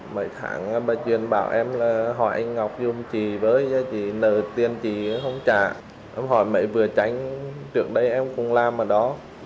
mẹ vừa tránh trước đây em cũng làm ở đó